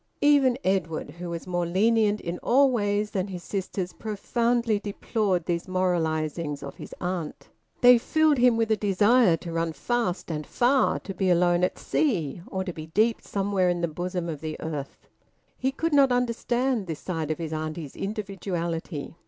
Even Edwin, who was more lenient in all ways than his sisters, profoundly deplored these moralisings of his aunt. They filled him with a desire to run fast and far, to be alone at sea, or to be deep somewhere in the bosom of the earth. He could not understand this side of his auntie's individuality.